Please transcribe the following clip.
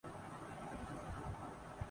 واقعات کے بعد میں محسوس کرتی ہوں کہ